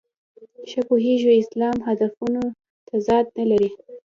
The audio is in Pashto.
ښه پوهېږو اسلام هدفونو تضاد نه لري.